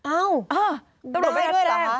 อ้าวได้ด้วยเหรอคะ